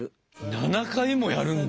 ７回もやるんだ？